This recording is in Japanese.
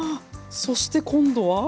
そして今度は。